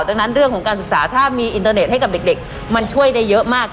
ดังนั้นเรื่องของการศึกษาถ้ามีอินเตอร์เน็ตให้กับเด็กมันช่วยได้เยอะมาก